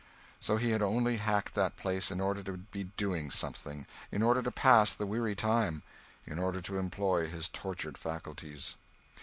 So he had only hacked that place in order to be doing something—in order to pass the weary time—in order to employ his tortured faculties.